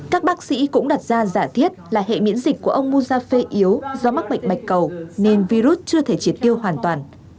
các bác sĩ cũng đặt ra giả thiết là hệ miễn dịch của ông moussafe yếu do mắc mệnh mạch cầu nên virus chưa thể triệt tiêu hoàn toàn